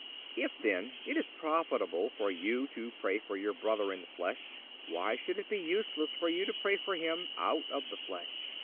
(296) If, then, it is profitable for you to pray for your brother in the flesh, why should it be useless for you to pray for him out of the flesh?